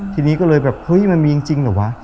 ทีนี้ก็เลยแบบเฮ้ยมันมีจริงเหรอวะ